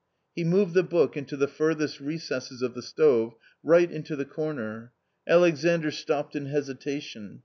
He moved the book into the furthest recesses of the stove, right into the corner. Alexandr stopped in hesi tation.